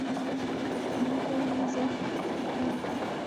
احمد وويل: ذوق دې بدل کړه.